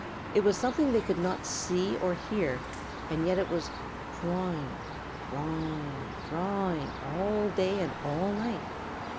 It was something they could not see or hear, and yet it was drawing drawing drawing all day and all night.